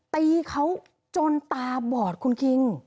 ตีเขาจนตาบอดคุณคิง